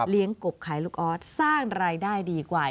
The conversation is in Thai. กบขายลูกออสสร้างรายได้ดีกว่า